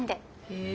へえ。